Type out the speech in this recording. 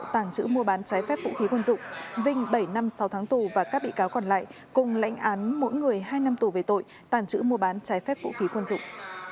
phép vũ khí quân dụng vinh bảy năm sáu tháng tù và các bị cáo còn lại cùng lệnh án mỗi người hai năm tù về tội tàn trữ mua bán trái phép vũ khí quân dụng